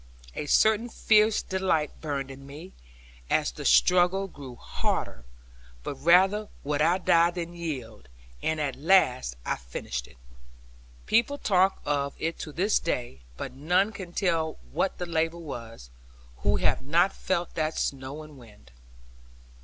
A certain fierce delight burned in me, as the struggle grew harder; but rather would I die than yield; and at last I finished it. People talk of it to this day; but none can tell what the labour was, who have not felt that snow and wind.